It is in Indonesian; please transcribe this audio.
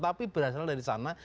tapi berasal dari sana